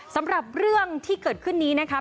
สำหรับเรื่องที่เกิดขึ้นนี้นะครับ